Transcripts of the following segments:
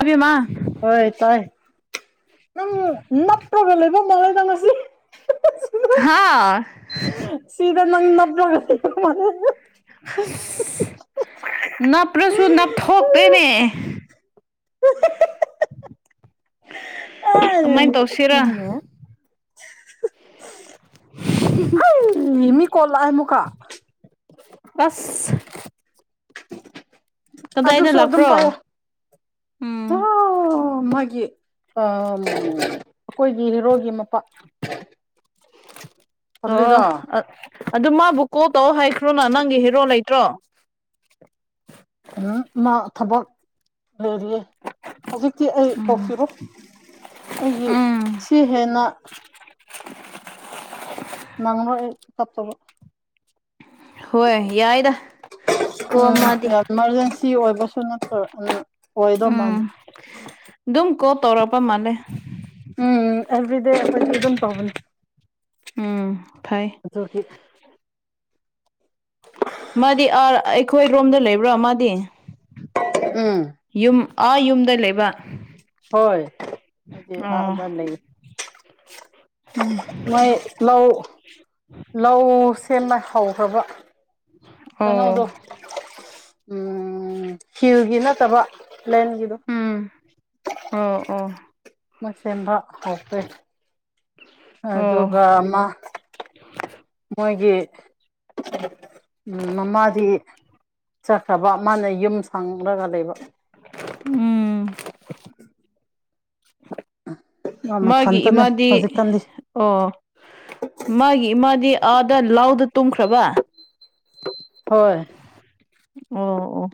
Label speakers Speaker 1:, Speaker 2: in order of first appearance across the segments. Speaker 1: ꯑꯕꯦꯝꯃ
Speaker 2: ꯍꯣꯏ ꯇꯥꯏ ꯅꯪ ꯅꯄ꯭ꯔꯣꯒ ꯂꯩ ꯏꯕ ꯃꯂꯦ ꯇꯪꯉꯁꯂꯤ
Speaker 1: ꯍꯥꯥ
Speaker 2: ꯁꯤꯗ ꯅꯪ ꯅꯖꯒ ꯃꯥꯅꯦ
Speaker 1: ꯑꯁ ꯅꯞꯂꯁꯨ ꯅꯞꯊꯣꯛꯇꯦꯅꯦ
Speaker 2: [unintelligible]
Speaker 1: ꯀꯃꯥꯏꯅ ꯇꯧꯁꯤꯔꯥ
Speaker 2: ꯑꯒ ꯍ ꯃꯤ ꯀꯂꯥ ꯍꯦꯃꯨꯀꯥ
Speaker 1: ꯑꯁ
Speaker 2: ꯑꯗꯨ ꯑꯗꯨ
Speaker 1: ꯀꯗꯥꯏꯗ
Speaker 2: ꯁꯣ ꯑꯗꯨꯝ
Speaker 1: ꯂꯥꯛꯄ꯭ꯔꯣ
Speaker 2: ꯄꯌꯥ ꯍ
Speaker 1: ꯎꯝ
Speaker 2: ꯑꯩꯈꯣꯏꯒꯤ ꯍꯦꯔꯣꯒꯤ ꯃꯄꯥ
Speaker 1: ꯑꯣ
Speaker 2: ꯄꯜꯂꯤꯗꯣ
Speaker 1: ꯑ ꯑꯗꯨ ꯃꯥꯕꯨ ꯀꯣꯜ ꯇꯧ ꯍꯥꯏꯈ꯭ꯔꯣꯅ ꯅꯪꯒꯤ ꯍꯦꯔꯣ ꯂꯩꯇ꯭ꯔꯣ
Speaker 2: ꯎꯝ ꯃꯥ ꯊꯕꯜ ꯂꯩꯔꯤꯌꯦ ꯍꯧꯖꯤꯛꯇꯤ ꯑꯩ
Speaker 1: ꯎꯝ
Speaker 2: ꯇꯧꯁꯤꯔꯣ ꯑꯩꯒꯤ
Speaker 1: ꯎꯝ
Speaker 2: ꯁꯤ ꯍꯦꯟꯅ ꯅꯪꯅꯣ ꯆꯞꯠꯇꯕ
Speaker 1: ꯍꯣꯏ ꯌꯥꯏꯗ
Speaker 2: [unintelligible]
Speaker 1: ꯀꯣꯜ
Speaker 2: ꯎꯝ
Speaker 1: ꯃꯥꯗꯤ
Speaker 2: ꯌꯥꯝ ꯏꯃꯥꯔꯖꯦꯟꯁꯤ ꯑꯣꯏꯕꯁꯨ ꯅꯠꯇ꯭ꯔꯣ ꯑꯣꯏꯗꯧ
Speaker 1: ꯎꯝ
Speaker 2: ꯃꯥꯥꯟꯜꯂꯤꯦ
Speaker 1: ꯑꯗꯨꯝ ꯀꯣ ꯇꯧꯔꯛꯄ ꯃꯥꯜꯂꯦ
Speaker 2: ꯎꯝ ꯑꯦꯕ꯭ꯔꯤꯗꯦ ꯑꯦꯕꯔꯤꯦ ꯑꯗꯨꯝ ꯄꯥꯎꯅꯤ
Speaker 1: ꯎꯝ ꯐꯩ ꯃꯥꯗꯤ ꯑꯥꯔ ꯑꯩꯈꯣꯏ ꯔꯣꯝꯗ ꯂꯩꯕ꯭ꯔꯥ ꯃꯥꯗꯤ
Speaker 2: ꯎꯝ
Speaker 1: ꯌꯨꯝ ꯑꯥ ꯌꯨꯝꯗ ꯂꯩꯕ
Speaker 2: ꯍꯣꯏ
Speaker 1: ꯑꯣ
Speaker 2: ꯑꯗꯔ ꯂꯩꯦ ꯃꯣꯏ ꯂꯧ ꯂꯧ ꯁꯦꯝꯅ ꯍꯧꯈ꯭ꯔꯕ
Speaker 1: ꯑꯣ
Speaker 2: ꯀꯩꯅꯣꯗꯣ ꯎꯝ ꯍꯤꯜꯒꯤ ꯅꯠꯇꯕ ꯂꯦꯟꯕꯤꯗ
Speaker 1: ꯎꯝ ꯑꯣ ꯑꯣ
Speaker 2: ꯃꯁꯝꯕ ꯑꯣꯄꯦ
Speaker 1: ꯑꯣ
Speaker 2: ꯑꯗꯨꯒ ꯑꯃ ꯃꯣꯏꯒꯤ ꯎꯝ ꯃꯃꯥꯗꯤ ꯆꯠꯈ꯭ꯔꯕ ꯃꯥꯅ ꯌꯨꯝ ꯁꯪꯔꯒ ꯂꯩꯕ
Speaker 1: ꯎꯝ
Speaker 2: ꯑ
Speaker 1: ꯃꯥꯒꯤ ꯏꯃꯥꯗꯤ ꯑꯣ ꯃꯥꯒꯤ ꯏꯃꯥꯗꯤ ꯑꯥꯗ ꯂꯥꯎꯗ ꯇꯨꯝꯈ꯭ꯔꯕ
Speaker 2: ꯍꯣꯏ
Speaker 1: ꯑꯣ ꯑꯣ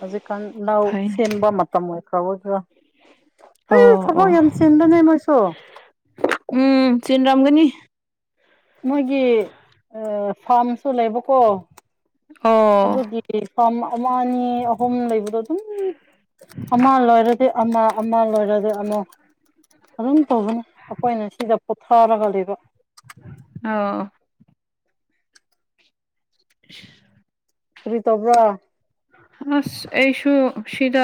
Speaker 2: ꯍꯧꯖꯤꯛꯀꯥꯟ ꯂꯅꯥꯎ
Speaker 1: ꯐꯩꯅꯦ
Speaker 2: ꯁꯦꯝꯕ ꯃꯇꯝ ꯑꯣꯏꯈ꯭ꯔ ꯑꯣꯏꯒꯔꯥ ꯑꯩ
Speaker 1: ꯑꯣ
Speaker 2: ꯊꯕꯛ ꯌꯥꯝ
Speaker 1: ꯑꯣ
Speaker 2: ꯆꯦꯟꯕꯅꯦ ꯃꯣꯏꯁꯨ
Speaker 1: ꯎꯝ ꯁꯤꯟꯔꯝꯒꯅꯤ
Speaker 2: ꯃꯣꯏꯒꯤ ꯐꯥꯔꯝꯁꯨ ꯂꯩꯕꯀꯣ
Speaker 1: ꯑꯣ
Speaker 2: ꯑꯗꯨꯗꯤ ꯐꯥꯔꯝ ꯑꯃ ꯑꯅꯤ ꯑꯍꯨꯝ ꯂꯩꯕꯗꯣ ꯑꯗꯨꯝ ꯑꯃ ꯂꯣꯏꯔꯦ ꯁꯤ ꯑꯃ ꯑꯃ ꯂꯣꯏꯔꯗꯤ ꯑꯃꯣ ꯑꯗꯨꯝ ꯇꯧꯕꯅꯦ ꯑꯩꯈꯣꯏꯅ ꯁꯤꯗ ꯄꯣꯊꯔꯒ ꯂꯩꯕ
Speaker 1: ꯑ [unintelligible]
Speaker 2: ꯐꯔꯤ ꯇꯕ꯭ꯔꯥ
Speaker 1: ꯑꯁ ꯑꯩꯁꯨ ꯁꯤꯗ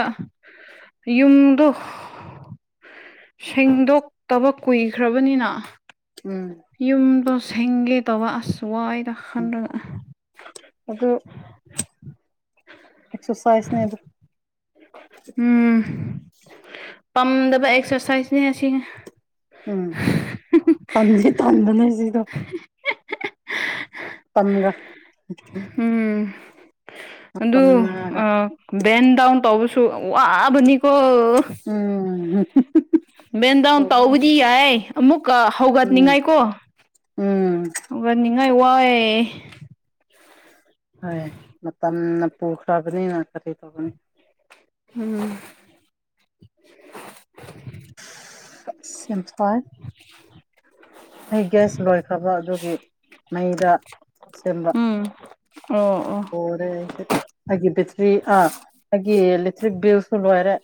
Speaker 1: ꯌꯨꯝꯗꯣ ꯁꯦꯡꯗꯣꯛꯇꯕ ꯀꯨꯏꯈ꯭ꯔꯕꯅꯤꯅ
Speaker 2: ꯎꯝ
Speaker 1: ꯌꯨꯝꯗꯣ ꯁꯦꯡꯒꯦ ꯇꯧꯕ ꯑꯁꯋꯥꯏ ꯆꯥꯟꯗ
Speaker 2: ꯑꯗꯨ ꯑꯦꯛꯁꯔꯁꯥꯏꯁꯅꯦ ꯑꯗꯨ
Speaker 1: ꯎꯝ ꯄꯝꯗꯕ ꯑꯦꯛꯁꯔꯁꯥꯏꯁꯅꯦ ꯑꯁꯤ
Speaker 2: ꯎꯝ ꯇ ꯇꯗꯅꯦ ꯁꯤꯗ ꯄꯪ
Speaker 1: ꯎꯝ ꯑꯗꯨ ꯕꯦꯟ ꯗꯥꯎꯟ ꯇꯧꯕꯁꯨ ꯋꯥꯕꯅꯤꯀꯣ
Speaker 2: ꯎꯝꯝ
Speaker 1: ꯃꯦꯟꯗꯥ ꯍꯨ ꯇꯧꯕꯖꯤ ꯌꯥꯌꯦ ꯑꯃꯃꯨꯛ
Speaker 2: ꯎꯝ
Speaker 1: ꯍꯧꯒꯠꯅꯤꯡꯉꯥꯏ ꯀꯣ
Speaker 2: ꯎꯝ
Speaker 1: ꯍꯧꯒꯠꯅꯤꯡꯉꯥꯏ ꯋꯥꯏꯦ
Speaker 2: ꯍꯣꯏ ꯃꯇꯝꯅ ꯄꯨꯈ꯭ꯔꯕꯅꯤꯅ ꯀꯔꯤ ꯇꯧꯕꯅꯤ
Speaker 1: ꯎꯝ
Speaker 2: ꯁꯤꯝꯐꯜ ꯑꯩ ꯒ꯭ꯌꯥꯁ ꯂꯣꯏꯈ꯭ꯔꯕ ꯑꯗꯨꯒꯤ ꯃꯩꯗ ꯁꯦꯝꯕ
Speaker 1: ꯎꯝ ꯑꯣ ꯑꯣ
Speaker 2: ꯍꯔꯦ ꯑꯩꯒꯤ ꯕꯦꯇ꯭ꯔꯤ ꯑꯥ ꯑꯩꯒꯤ ꯏꯂꯦꯛꯇ꯭ꯔꯤꯛ ꯕꯤꯜꯁꯨ ꯂꯣꯏꯔꯦ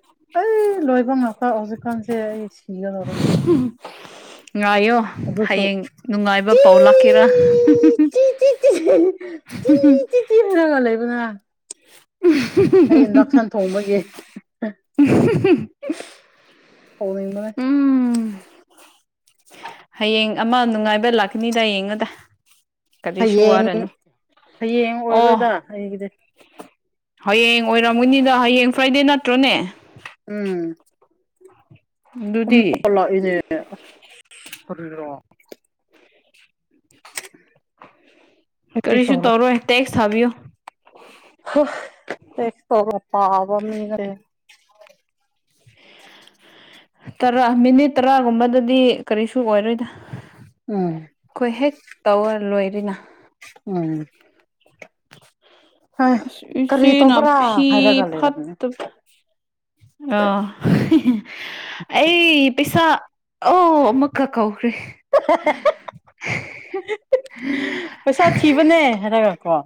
Speaker 2: ꯑꯩ ꯂꯣꯏꯕꯥꯎ ꯉꯄꯥꯎ ꯑꯣꯖꯤꯛꯀꯥꯟꯁ ꯁꯤꯒꯗꯔ
Speaker 1: ꯉꯥꯏꯌꯣ ꯍꯌꯦꯡ ꯅꯨꯡꯉꯥꯏꯕ ꯄꯥꯎ ꯂꯥꯛꯀꯦꯔꯥ
Speaker 2: ꯇ ꯇ ꯇ ꯇ ꯇꯤ ꯇꯤ ꯐꯔꯒꯜ ꯑꯩ ꯄꯨꯅ ꯑꯩ ꯍꯟꯗꯎꯁꯟ ꯊꯣꯡꯕꯒꯤ ꯁꯥꯎꯅꯕꯅꯦ
Speaker 1: ꯎꯝ ꯍꯌꯦꯡ ꯑꯃ ꯅꯨꯡꯉꯥꯏꯕ ꯂꯥꯛꯀꯅꯤꯗ ꯌꯦꯡꯉꯨꯗ
Speaker 2: ꯍꯌꯦꯡ ꯍꯌꯦꯡ
Speaker 1: ꯑꯣ
Speaker 2: ꯑꯣꯏꯔꯣꯏꯗ ꯑꯩꯒꯤꯗꯤ
Speaker 1: ꯍꯌꯦꯡ ꯑꯣꯏꯔꯝꯒꯅꯤꯗ ꯍꯌꯦꯡ ꯐ꯭ꯔꯥꯏꯗꯦ ꯅꯠꯇ꯭ꯔꯣꯅꯦ ꯑꯗꯨꯗꯤ
Speaker 2: ꯃꯀꯣꯂ ꯏꯅꯦꯔ ꯑꯩ ꯄꯤꯛ
Speaker 1: ꯀꯔꯤꯁꯨꯨ ꯇꯧꯔꯣ ꯇꯩ ꯊꯕꯤꯌꯑꯣ
Speaker 2: ꯑꯦ ꯇꯣ ꯄ ꯄꯥꯕꯃꯤ ꯂꯩ
Speaker 1: ꯇꯔꯥ ꯃꯤꯅꯤꯠ ꯇꯔꯥꯒꯨꯝꯕꯗꯗꯤ ꯀꯔꯤꯁꯨ ꯑꯣꯏꯔꯣꯏꯗ
Speaker 2: ꯎꯝ
Speaker 1: ꯑꯩꯈꯣꯏ ꯍꯦꯛ ꯇꯧꯔ ꯂꯣꯏꯔꯤꯅ
Speaker 2: ꯎꯝ ꯍꯣꯏ ꯀꯔꯤ
Speaker 1: ꯏꯁꯤꯡꯅ
Speaker 2: ꯇꯧꯕ꯭ꯔꯥ
Speaker 1: ꯐꯤ
Speaker 2: ꯍꯥꯏꯔꯒ ꯂꯩꯔꯝꯃꯦ
Speaker 1: ꯐꯠꯇ ꯑ ꯑꯩ ꯄꯤꯁꯥ ꯑꯣ ꯑꯃꯨꯛꯀ ꯀꯧꯈ꯭ꯔꯦ
Speaker 2: ꯄꯩꯁꯥ ꯊꯕꯅꯦ ꯍꯥꯏꯔꯒ ꯀ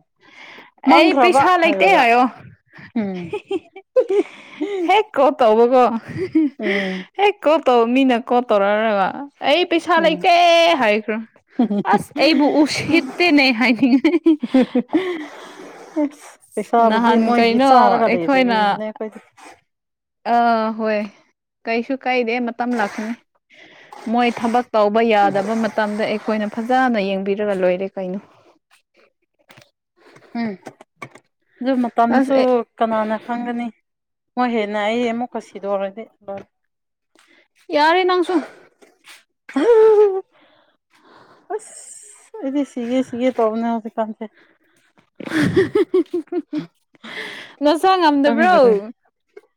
Speaker 1: ꯑ ꯄꯤꯁꯥ ꯂꯩꯇ ꯍꯥꯏꯣ
Speaker 2: ꯎꯝ
Speaker 1: ꯍꯦꯛ ꯀ ꯇꯕ ꯀꯣ
Speaker 2: ꯎꯝ
Speaker 1: ꯍꯦꯛ ꯀꯣꯠꯇꯧ ꯃꯤꯅ ꯀꯣꯠꯇꯧꯔꯔꯒ ꯑꯩ ꯄꯩꯁꯥ
Speaker 2: ꯎꯝ
Speaker 1: ꯂꯩꯇꯦ ꯍꯥꯏꯈ꯭ꯔꯣ ꯑꯁ ꯑꯩꯕꯨ ꯎꯁꯤꯍꯤꯗꯦꯅꯦ ꯍꯥꯏ
Speaker 2: ꯄꯩꯁꯥꯕꯨꯗꯤ
Speaker 1: ꯅꯍꯥꯟ
Speaker 2: ꯃꯣꯏꯒꯤ
Speaker 1: ꯀꯩꯅꯣ
Speaker 2: ꯆꯥꯔꯒ
Speaker 1: ꯑꯩꯈꯣꯏꯅ
Speaker 2: ꯂꯩꯔꯤꯕꯅꯦ ꯑꯩꯈꯣꯏꯗꯤ
Speaker 1: ꯑꯥ ꯍꯣꯏ ꯀꯩꯁꯨ ꯀꯩꯗ ꯃꯇꯝ ꯂꯥꯛꯀꯅꯤ ꯃꯣꯏ ꯊꯕꯛ ꯇꯧꯕ ꯌꯥꯗꯕ ꯃꯇꯝꯗ ꯑꯩꯈꯣꯏꯅ ꯐꯖꯅ ꯌꯦꯡꯕꯤꯔ ꯒ ꯂꯣꯏꯔꯦ ꯀꯩꯅꯣ
Speaker 2: ꯎꯝ ꯑꯗꯨ
Speaker 1: ꯑꯁ
Speaker 2: ꯃꯇꯝꯁꯨ
Speaker 1: ꯑꯦ
Speaker 2: ꯀꯅꯥꯅ ꯈꯪꯒꯅꯤ ꯍꯣꯏ ꯍꯦꯟꯅ ꯑꯩ ꯑꯃꯨꯛꯀ ꯁꯤꯗꯔꯗꯤ ꯂꯣꯏ
Speaker 1: ꯌꯥꯔꯦ ꯅꯪꯁꯨ
Speaker 2: ꯑꯁ ꯏꯗꯤ ꯁꯤꯦ ꯁꯤꯦ ꯇꯣꯅ ꯍꯧꯖꯤꯦ ꯀꯥꯟꯁꯦ
Speaker 1: [unintelligible]
Speaker 2: [unintelligible] ꯈꯪꯗꯔꯦ
Speaker 1: ꯆꯉꯝꯗꯕ꯭ꯔꯣ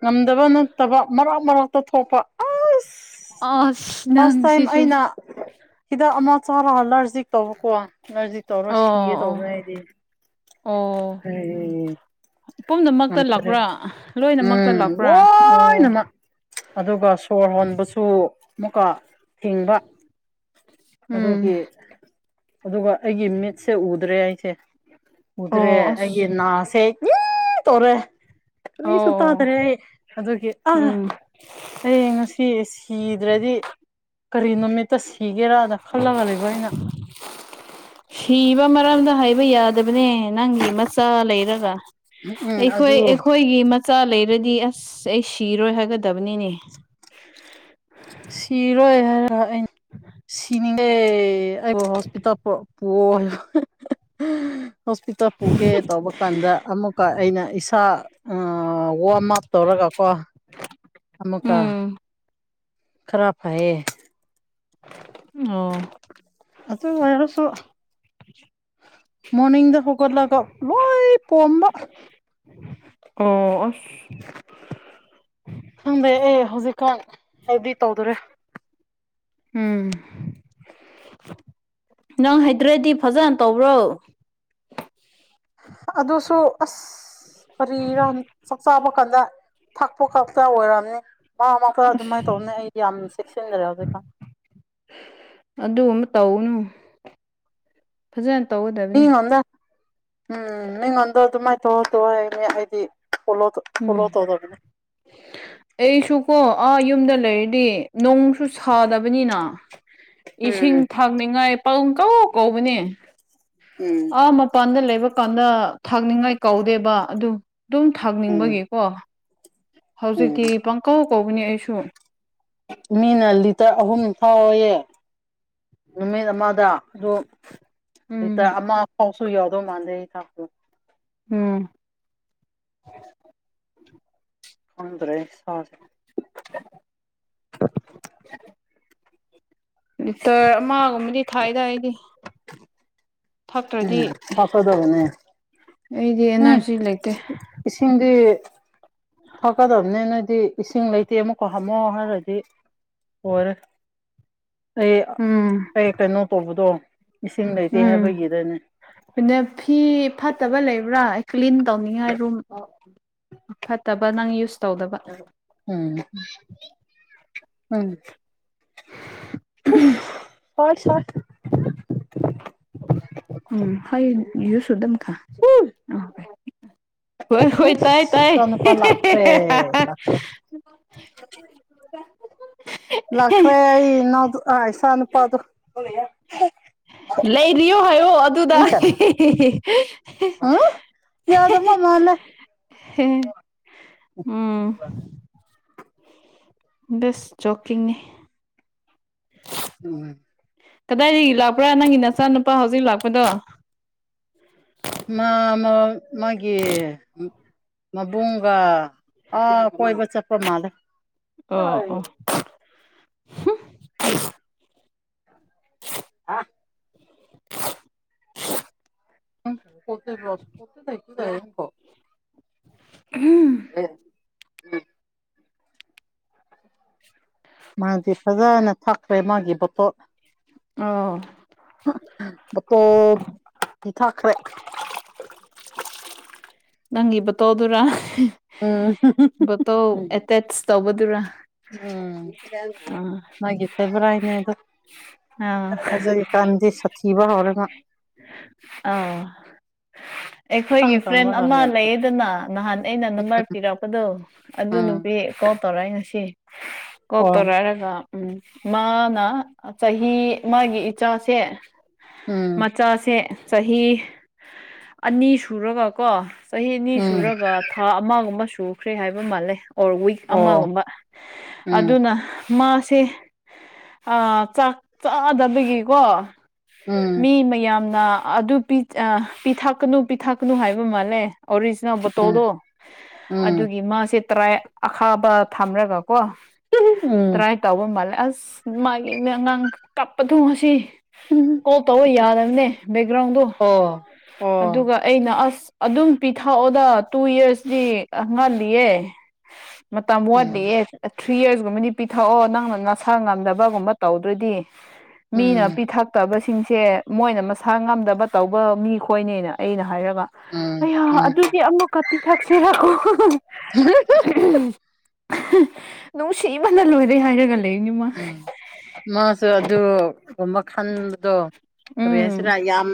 Speaker 2: ꯉꯝꯗꯕ ꯅꯠꯇꯕ ꯃꯔꯥꯛ ꯃꯔꯥꯛꯛꯇ ꯊꯣꯛꯄ ꯑꯁ
Speaker 1: ꯑꯁ
Speaker 2: ꯐꯁ ꯇꯥꯏꯝ
Speaker 1: ꯅꯪꯁꯤꯁꯨ
Speaker 2: ꯑꯩꯅ ꯍꯤꯗꯥꯛ ꯑꯃ ꯆꯔꯍꯜꯂꯔ ꯉꯖꯤꯛ ꯇꯧꯕꯔꯀꯣ ꯉꯖꯤꯛ ꯇꯧꯔꯣ
Speaker 1: ꯑꯣ
Speaker 2: ꯁꯤꯒꯦ ꯇꯧꯕꯅꯦ
Speaker 1: ꯑꯣ
Speaker 2: ꯑꯩꯗꯤ
Speaker 1: ꯑꯣ
Speaker 2: ꯎꯝ ꯎꯝ
Speaker 1: ꯄꯨꯝꯅꯃꯛꯇ
Speaker 2: ꯔꯦ
Speaker 1: ꯂꯥꯛꯄ꯭ꯔꯥ ꯂꯣꯏꯅꯃꯛꯇ
Speaker 2: ꯎꯝ
Speaker 1: ꯂꯥꯛꯄ꯭ꯔꯥ ꯑꯣ
Speaker 2: ꯑꯣꯅꯃ ꯑꯗꯨꯒ ꯁꯣꯔ ꯍꯣꯟꯕꯁꯨ ꯃꯨꯀꯥ ꯊꯤꯡꯕ
Speaker 1: ꯎꯝ
Speaker 2: ꯑꯗꯨꯒꯤ ꯑꯗꯨꯒ ꯑꯩꯒꯤ ꯃꯤꯠꯁꯦ ꯎꯗ꯭ꯔꯦ ꯑꯩꯁꯦ ꯎꯗ꯭ꯔꯦ
Speaker 1: ꯑꯣ
Speaker 2: ꯑꯩꯒꯤ
Speaker 1: ꯑꯁ
Speaker 2: ꯅꯥꯁꯦ ꯂ ꯇꯧꯔꯦ ꯀꯔꯤꯁꯨ
Speaker 1: ꯑꯣ
Speaker 2: ꯇꯥꯗꯔꯦ ꯑꯩ ꯑꯗꯨꯒꯤ ꯑꯥ
Speaker 1: ꯎꯝ
Speaker 2: ꯑꯩ ꯉꯁꯤ ꯁꯤꯗ꯭ꯔꯗꯤ ꯀꯔꯤ ꯅꯨꯃꯤꯠꯇ ꯁꯤꯒꯦꯔꯥꯅ ꯈꯜꯂꯒ ꯂꯩꯕ ꯑꯩꯅ
Speaker 1: ꯁꯤꯕ ꯃꯔꯗ ꯍꯥꯏ ꯍꯥꯏꯕ ꯌꯥꯗꯕꯅꯦ ꯅꯪꯒꯤ ꯃꯆꯥ
Speaker 2: ꯎꯝ ꯎꯝ
Speaker 1: ꯂꯩꯔꯒꯈꯣꯏ
Speaker 2: ꯑꯗꯨ
Speaker 1: ꯑꯩꯈꯣꯏꯒꯤ ꯆꯥ ꯂꯩꯔꯗꯤ ꯑꯁ ꯑꯩ ꯁꯤꯔꯣꯏ ꯍꯥꯏꯒꯗꯕꯅꯤꯅꯦ
Speaker 2: ꯁꯤꯔꯣꯏ ꯍꯥꯏꯔꯒ ꯑ ꯁꯤꯅꯤꯡꯗꯦ ꯑꯩꯕꯨ ꯍꯣꯁꯄꯤꯇꯥꯜ ꯄꯜ ꯍꯣꯁꯄꯤꯇꯥꯜ ꯄꯨꯒꯦ ꯇꯧꯕ ꯀꯥꯟꯗ ꯑꯃꯨꯛꯀ ꯑꯩꯅ ꯏꯁꯥ ꯋꯥꯔꯝ ꯑꯞ ꯇꯧꯔꯒꯀꯣ ꯑꯃꯨꯛꯀ
Speaker 1: ꯎꯝ
Speaker 2: ꯈꯔꯞ ꯍꯥꯏꯌꯦ
Speaker 1: ꯑꯣ
Speaker 2: ꯑꯗ ꯋꯥꯔꯁꯨ ꯃꯣꯔꯅꯤꯡꯡꯗ ꯍꯧꯒꯠꯂꯒ ꯂꯣꯏ ꯄꯣꯝꯕ
Speaker 1: ꯑꯣ
Speaker 2: ꯑꯗ ꯑꯦ ꯍꯧꯖꯤꯛꯀꯥꯟ ꯍꯥꯏꯗꯤ ꯇꯧꯗꯔꯦ
Speaker 1: ꯎꯝ ꯅꯪ ꯍꯩꯇ꯭ꯔꯗꯤ ꯐꯖꯅ ꯇꯧꯕ꯭ꯔꯣ
Speaker 2: ꯑꯗꯨꯁꯨ ꯑꯁ ꯀꯔꯤꯔ ꯆꯥꯛ ꯆꯥꯕ ꯀꯥꯟꯗ ꯊꯛꯄ ꯈꯛꯇ ꯑꯣꯏꯔꯛꯑꯝꯅꯤ ꯃꯥ ꯃꯥ ꯈꯔ ꯑꯗꯨꯃꯥꯏꯅ ꯇꯧꯅꯦ ꯑꯩ ꯌꯥꯝ ꯆꯦꯛꯁꯤꯟꯖꯔꯦ ꯍꯧꯖꯤꯛꯀ
Speaker 1: ꯑꯗꯨꯒꯨꯝꯕ ꯇꯧꯅꯨ ꯐꯖꯅ ꯇꯧꯒꯗꯕꯅꯤ
Speaker 2: ꯃꯤꯉꯣꯟꯗ ꯎꯝ ꯃꯤꯉꯣꯟꯗ ꯑꯗꯨꯝꯃꯥꯏꯅꯊꯣꯛꯑꯗ ꯍꯥꯏꯅꯦ ꯑꯩꯗꯤ ꯐꯣꯂꯣ
Speaker 1: ꯎꯝ
Speaker 2: ꯐꯣꯂꯣ ꯇꯧꯗꯕꯅꯦ
Speaker 1: ꯑꯩꯁꯨ ꯀꯣ ꯑꯥ ꯌꯨꯝꯗ ꯂꯩꯔꯗꯤ ꯅꯣꯡꯁꯨ ꯁꯥꯗꯕꯅꯤꯅ ꯏꯁꯤꯡ
Speaker 2: ꯎꯝ
Speaker 1: ꯊꯥꯛꯅꯤꯉꯥꯏ ꯄꯥꯎ ꯀ ꯀꯧꯕꯅꯦ
Speaker 2: ꯎꯝ
Speaker 1: ꯑꯥ ꯃꯄꯥꯟꯗ ꯂꯩꯕ ꯀꯥꯟꯗ ꯊꯥꯛꯅꯤꯡꯉꯥꯏ ꯀꯧꯗꯦꯕ ꯑꯗꯨ ꯑꯗꯨꯝ
Speaker 2: ꯎꯝ
Speaker 1: ꯊꯥꯛꯅꯤꯡꯕꯒꯤꯀꯣ
Speaker 2: ꯎꯝ
Speaker 1: ꯍꯧꯖꯤꯛꯇꯤ ꯄꯪꯀꯧ ꯀꯧꯕꯅꯤ ꯑꯩꯁꯨ
Speaker 2: ꯃꯤꯅ ꯂꯤꯇꯔ ꯑꯍꯨꯝ ꯐꯥꯎꯦ ꯅꯨꯃꯦ ꯅꯃꯗ ꯑꯗꯨꯣ
Speaker 1: ꯎꯝ
Speaker 2: ꯑꯗꯨꯇ ꯑ ꯑꯥꯎꯁꯨ ꯌꯥꯗꯣ ꯃꯥꯗꯦ ꯊꯀꯣ
Speaker 1: ꯎꯝ
Speaker 2: ꯍꯗ꯭ꯔꯦ ꯍꯦ
Speaker 1: ꯑ
Speaker 2: ꯑ
Speaker 1: [unintelligible] ꯂꯤꯇꯔ ꯑꯃꯒꯨꯝꯕꯗꯤ ꯊꯥꯏꯗꯥꯏꯗꯤ
Speaker 2: ꯎꯝ ꯐꯁꯥꯏꯗꯕꯅꯦ
Speaker 1: ꯑꯩꯗꯤ
Speaker 2: ꯎꯝ
Speaker 1: ꯑꯦꯅꯔꯖꯤ ꯂꯩꯇꯦ
Speaker 2: ꯏꯁꯤꯡꯁꯤꯡꯗꯤ ꯊꯣꯛꯀꯗꯕꯅꯤ ꯅꯣꯏꯗꯤ ꯏꯁꯤꯡ ꯂꯩꯇꯦ ꯑꯃꯨꯛꯀꯣ ꯍꯥꯝꯃꯛ ꯍꯥꯏꯔꯗꯤ ꯑꯣꯏꯔ
Speaker 1: ꯎꯝ
Speaker 2: ꯩꯅꯣ ꯇꯗꯣ
Speaker 1: ꯎꯝ ꯑꯗꯨꯅ ꯐꯤ ꯐꯠꯇꯕ ꯂꯩꯕ꯭ꯔꯥ ꯀ꯭ꯂꯤꯟ ꯇꯧꯅꯤꯡꯉꯥꯏ ꯔꯨꯝ ꯐꯠꯇꯕ ꯅꯪ ꯌꯨꯁ ꯇꯧꯗꯕ
Speaker 2: ꯎꯝ ꯎꯝ ꯍ ꯁꯠ
Speaker 1: ꯎꯝ ꯍꯣꯏ ꯌꯨꯁ ꯑꯗꯨꯝ ꯈ
Speaker 2: ꯎꯝ
Speaker 1: ꯑ ꯍꯣꯏ ꯍꯣꯏ ꯇꯥꯏ ꯇꯥꯏ
Speaker 2: ꯏꯆꯥ ꯅꯨꯄꯥ ꯂꯥꯛꯈ꯭ꯔꯦ
Speaker 1: [unintelligible]
Speaker 2: ꯂꯈ ꯔꯦ ꯏꯟꯅꯣ ꯑꯗꯨ ꯍꯥꯏꯥꯏꯁꯅꯄ ꯑꯗꯨ
Speaker 1: ꯂꯩꯔꯤꯌꯣ ꯍꯥꯏꯌꯣ ꯑꯗꯨꯗ
Speaker 2: ꯌꯥꯎꯗꯃ ꯃꯥꯅꯦ
Speaker 1: ꯍ ꯎꯝ ꯁ ꯆꯣꯀꯤꯡꯡꯅꯦ
Speaker 2: ꯎꯝ
Speaker 1: ꯀꯗꯥꯏꯗꯒꯤ ꯂꯥꯛꯄ꯭ꯔꯥ ꯅꯪꯒꯤ ꯅꯆꯥꯅꯨꯄꯥ ꯍꯧꯖꯤꯛ ꯂꯥꯛꯄꯗꯣ
Speaker 2: ꯃꯥ ꯃꯥꯒꯤ ꯃꯕꯨꯡꯒ ꯑꯥ ꯀꯣꯏꯕ ꯆꯠꯄ ꯃꯥꯜꯂ
Speaker 1: ꯑ ꯑꯣ
Speaker 2: ꯍꯥ ꯎ ꯆ ꯇ ꯏꯀꯣ
Speaker 1: ꯎꯝ
Speaker 2: ꯎꯝ ꯎꯝ ꯃꯥꯗꯤ ꯐꯖꯅ ꯊꯈ꯭ꯔꯦ ꯃꯥꯒꯤ ꯕꯣꯇꯣꯠ
Speaker 1: ꯑꯣ
Speaker 2: ꯠꯇꯣ ꯏ ꯊꯈꯔꯦ [unintelligible]
Speaker 1: ꯅꯪꯒꯤ ꯕꯇꯣꯗꯨꯔ
Speaker 2: ꯎꯝ
Speaker 1: ꯕꯇꯣ ꯑꯦꯇꯦꯠꯆ ꯇꯧꯕꯗꯨꯔꯥ
Speaker 2: ꯎꯝ
Speaker 1: ꯑꯥ
Speaker 2: ꯅꯒꯤꯁꯕ꯭ꯔ ꯏꯅꯦ
Speaker 1: ꯑꯥ
Speaker 2: ꯑꯗꯨ ꯀꯥꯟꯗ ꯁꯊꯤꯕꯔꯒ
Speaker 1: ꯑꯥ
Speaker 2: [unintelligible]
Speaker 1: ꯑꯩꯈꯣꯏꯒꯤ ꯐ꯭ꯔꯦꯟ
Speaker 2: ꯀꯪꯔꯒ
Speaker 1: ꯑꯃ
Speaker 2: ꯌꯥꯝ ꯁꯥꯊꯤꯕ
Speaker 1: ꯂꯩꯌꯦꯗꯅ ꯅꯍꯥꯟ ꯑꯩꯅ ꯅꯝꯕꯔ ꯄꯤꯔꯛꯄꯗꯣ ꯑꯗꯨ
Speaker 2: ꯎꯝ
Speaker 1: ꯅꯨꯄꯤ ꯀꯣ ꯇꯧꯔꯏ ꯉꯁꯤ ꯀꯣ
Speaker 2: ꯑꯣ
Speaker 1: ꯇꯧꯔꯥꯏꯔꯒ ꯎꯝ ꯃꯥꯅ ꯆꯍꯤ ꯃꯥꯒꯤ ꯏꯆꯥꯁꯦ
Speaker 2: ꯎꯝ
Speaker 1: ꯃꯆꯥꯁꯦ ꯆꯍꯤ ꯑꯅꯤ ꯁꯨꯔꯒꯀꯣ ꯆꯍꯤ ꯑꯅꯤ
Speaker 2: ꯎꯝ
Speaker 1: ꯁꯨꯒ ꯊꯥ ꯑꯃꯒꯨꯝꯕ ꯁꯨꯈ꯭ꯔꯦ ꯍꯥꯏꯕ ꯃꯥꯜꯂꯦ ꯑꯣꯔ ꯋꯤꯛ
Speaker 2: ꯑꯣ
Speaker 1: ꯑꯃꯒꯨꯝꯕ
Speaker 2: ꯎꯝ
Speaker 1: ꯑꯗꯨꯅ ꯃꯥꯁꯦ ꯆꯥꯛ ꯆꯥꯗꯕꯒꯤꯀꯣ
Speaker 2: ꯎꯝ
Speaker 1: ꯃꯤ ꯃꯌꯥꯝꯅ ꯑꯗꯨ ꯄꯤꯊꯛꯀꯅꯨ ꯄꯤꯊꯛꯀꯅꯨ ꯍꯥꯏꯕ ꯃꯥꯜꯂꯦ ꯑꯣꯔꯤꯖꯤꯅꯦꯜ
Speaker 2: ꯎꯝ
Speaker 1: ꯕꯣꯇꯣꯗꯣ
Speaker 2: ꯎꯝ
Speaker 1: ꯑꯗꯨꯒꯤ ꯃꯥꯁꯦ ꯇꯔꯥꯏ ꯑꯈꯥꯕ ꯊꯝꯔꯒ ꯀꯣ ꯇ꯭ꯔꯥꯏ ꯇꯧꯕ ꯃꯥꯜꯂꯦ ꯑꯁ ꯃꯥꯒꯤꯉꯪ ꯀꯞꯄ ꯊꯣꯡ ꯑꯁꯤ
Speaker 2: ꯎꯝ
Speaker 1: ꯀꯣꯜ ꯇꯧꯕ ꯌꯥꯗꯕꯅꯦ ꯕꯦꯛꯒ꯭ꯔꯥꯎꯟꯗꯣ
Speaker 2: ꯑꯣ ꯑꯣ
Speaker 1: ꯑꯗꯨꯒ ꯑꯩꯅ ꯑꯁ ꯑꯗꯨꯝ ꯄꯤꯊꯛꯑꯣꯗ ꯇꯨ ꯌꯌꯥꯔꯁꯇ ꯉꯜꯂꯤꯌꯦꯦ ꯃꯇꯝ
Speaker 2: ꯎꯝ
Speaker 1: ꯋꯥꯠꯂꯤꯌꯦ ꯊ꯭ꯔꯤ ꯌꯔꯁꯀꯨꯝꯕꯅꯤ ꯄꯤꯊꯛꯑꯣ ꯅꯪꯅ ꯅꯁꯥ ꯉꯝꯗꯕꯒꯨꯝꯕ ꯇꯧꯗꯣꯏꯗꯤ ꯃꯤꯅ
Speaker 2: ꯎꯝ
Speaker 1: ꯄꯤꯊꯛꯇꯕꯁꯤ ꯁꯤꯡꯁꯦ ꯃꯣꯏꯅ ꯃꯁꯥ ꯉꯝꯗꯕ ꯇꯧꯕ ꯃꯤ ꯈꯣꯏꯅꯦꯅ ꯑꯩꯅ ꯍꯥꯏꯔ
Speaker 2: ꯎꯝ
Speaker 1: ꯑꯩꯍ
Speaker 2: ꯎꯝ
Speaker 1: ꯑꯗꯨꯗꯤ ꯑꯃꯨꯛꯀ ꯄꯤꯊꯛꯁꯤꯔꯑꯣ ꯅꯨꯡ ꯁꯤꯕꯅꯜꯂꯣꯏꯗꯔꯦ ꯍꯥꯏꯔꯒꯜꯂꯤ
Speaker 2: ꯎꯝ ꯃꯥꯁ ꯑꯗꯨ ꯑꯗꯨ ꯀꯃ ꯈꯟꯕꯗꯣ ꯀꯔꯤ ꯍꯥꯏꯁꯤꯔꯥ
Speaker 1: ꯎꯝ
Speaker 2: ꯌꯥꯝ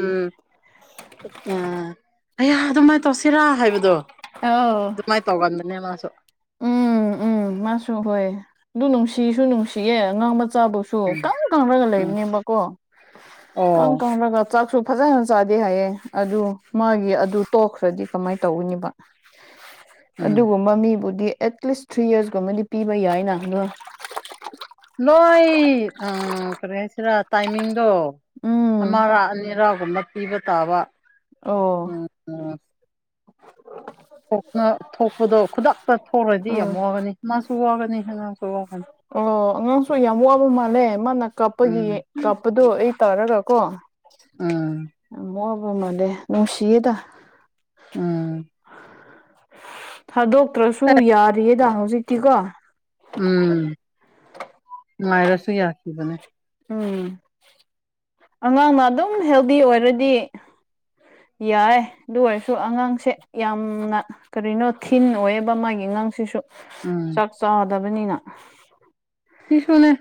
Speaker 2: ꯑꯌꯥ ꯑꯗꯨꯃꯥꯏꯅ ꯇꯧꯁꯤꯔꯥ ꯍꯥꯏꯕꯗꯣ
Speaker 1: ꯑꯧ
Speaker 2: ꯑꯗꯨꯃꯥꯏꯅ ꯇꯧꯒꯗꯅꯦ ꯃꯥꯁꯨ
Speaker 1: ꯎꯝ ꯎꯝ ꯃꯥꯁꯨ ꯍꯣꯏ ꯑꯗꯨ ꯅꯨꯡꯁꯤꯁꯨ ꯅꯨꯡꯁꯤꯌꯦꯦ ꯉꯥꯡꯕ ꯃꯆꯥꯕꯨꯧꯁꯨ
Speaker 2: ꯎꯝ
Speaker 1: ꯀ ꯀꯪꯅꯒ
Speaker 2: ꯎꯝ
Speaker 1: ꯂꯩꯕꯅꯦꯕꯀꯣ ꯀ
Speaker 2: ꯑꯣ
Speaker 1: ꯀꯪꯔꯒ ꯆꯥꯛꯁꯨ ꯐꯖꯅ ꯆꯥꯗꯦ ꯍꯥꯏꯌꯦꯦ ꯑꯗꯨ ꯃꯥꯒꯤ ꯑꯗꯨ ꯇꯣꯛꯈ꯭ꯔꯗꯤ ꯀꯃꯥꯏꯅ ꯇꯧꯋꯤꯅꯤꯕ
Speaker 2: ꯎ
Speaker 1: ꯑꯗꯨꯒꯨꯝꯕ ꯃꯤꯕꯨꯗꯤ ꯑꯦꯠꯂꯤꯁ ꯊ꯭ꯔꯤ ꯌꯔꯁꯀꯨꯝꯕꯗꯤ ꯄꯤꯕ ꯌꯥꯏꯅ ꯅꯣꯏ
Speaker 2: ꯅꯣꯏ ꯑ ꯀꯩꯅ ꯍꯥꯏꯁꯤꯔ ꯇꯥꯏꯃꯤꯡꯗꯣ
Speaker 1: ꯎꯝ
Speaker 2: ꯑꯃꯔꯥ ꯑꯅꯤꯔꯥꯒꯨꯝꯕ ꯄꯤꯕ ꯇꯥꯕ
Speaker 1: ꯑꯣ
Speaker 2: ꯎꯝ ꯊꯣꯛꯅ ꯊꯣꯛꯄꯗꯣ ꯈꯨꯗꯛꯇ ꯊꯣꯛꯈꯗꯤ ꯌꯥꯝ
Speaker 1: ꯎꯝ
Speaker 2: ꯋꯥꯒꯅꯤ ꯃꯥꯁꯨ ꯋꯥꯒꯅꯤ ꯑꯉꯥꯡꯁꯨ ꯋꯥꯅꯤ
Speaker 1: ꯑꯣ ꯑꯉꯥꯡꯁꯨ ꯌꯥꯝ ꯋꯥꯕ ꯃꯥꯜꯂꯦ ꯃꯥꯅ ꯀꯥꯞꯄꯒꯤ
Speaker 2: ꯎꯝ
Speaker 1: ꯀꯥꯞꯄꯗꯣ ꯑꯩ ꯇꯥꯔꯒ ꯀꯣ
Speaker 2: ꯎ
Speaker 1: ꯑꯃꯣꯕ ꯃꯅꯦ ꯅꯅꯨꯡꯁꯤꯤꯗ
Speaker 2: ꯎꯝ
Speaker 1: ꯊꯥꯗꯣꯛꯇ꯭ꯔꯁꯨ ꯌꯥꯔꯤꯌꯦꯗ ꯍꯧꯖꯤꯛꯇꯤꯀꯣ
Speaker 2: ꯎꯝ ꯉꯥꯏꯔꯁꯨ ꯌꯥꯁꯈꯤꯕꯅꯦ
Speaker 1: ꯎꯝ ꯑꯉꯥꯡꯅ ꯑꯗꯨꯝ ꯍꯦꯜꯗꯤ ꯑꯣꯏꯔꯗꯤ ꯌꯥꯏ ꯑꯗꯨ ꯑꯣꯏꯔꯁꯨ ꯑꯉꯥꯡꯁꯦ ꯌꯥꯝꯅ ꯀꯔꯤꯅꯣ ꯊꯤꯟꯤꯟ ꯑꯣꯏꯌꯦꯕ ꯃꯥꯒꯤ ꯅꯪꯁꯤꯁꯨ
Speaker 2: ꯎꯝ
Speaker 1: ꯆꯥꯛ ꯆꯥꯗꯕꯅꯤꯅ
Speaker 2: ꯁꯤꯁꯨꯅꯦ